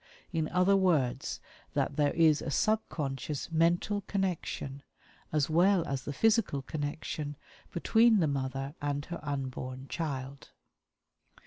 In other words, that there is a subconscious mental connection, as well as the physical connection, between the mother and her unborn child.